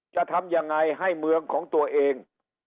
จะทำยังไงให้เมืองของตัวเอง